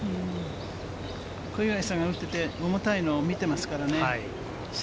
小祝さんが打って、重たいのを見てますからね。